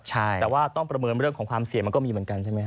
แต่ว่าต้องประเมินเรื่องของความเสี่ยงมันก็มีเหมือนกันใช่ไหมฮ